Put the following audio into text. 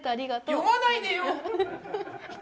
読まないでよ。